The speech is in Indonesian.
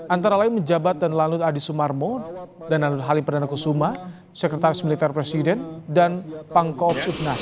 antara lain menjabat dan lanut adi sumarmo dan halim perdana kusuma sekretaris militer presiden dan pangkoopsudnas